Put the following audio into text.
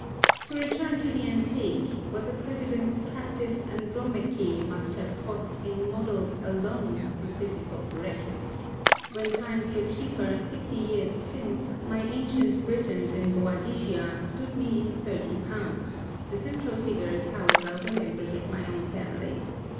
To return to the Antique, what the President's "Captive Andromache" must have cost in models alone is difficult to reckon. When times were cheaper, fifty years since, my ancient Britons in "Boadishia" stood me in thirty pounds: the central figures, however, were members of my own family.